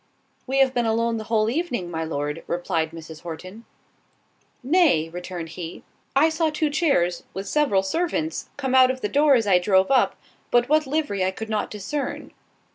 "We have been alone the whole evening, my Lord," replied Mrs. Horton. "Nay," returned he, "I saw two chairs, with several servants, come out of the door as I drove up, but what livery I could not discern."